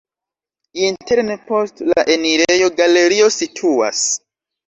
Interne post la enirejo galerio situas.